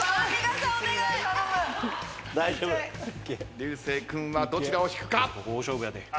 流星君はどちらを引くか？